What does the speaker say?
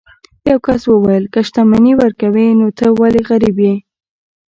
یو کس وویل که شتمني ورکوي نو ته ولې غریب یې.